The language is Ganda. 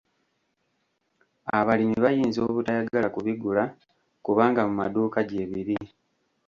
Abalimi bayinza obutayagala kubigula kubanga mu maduuka gye biri.